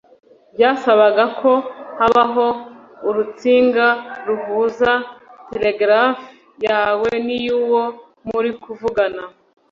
byasabaga ko habaho urutsinga ruhuza telegraph yawe n’iyuwo muri kuvugana